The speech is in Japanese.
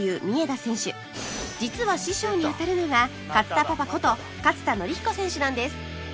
実は師匠にあたるのが勝田パパこと勝田範彦選手なんです